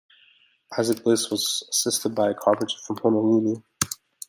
Isaac Bliss who was assisted by a carpenter from Honolulu.